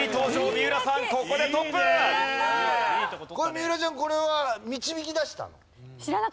三浦ちゃんこれは導き出したの？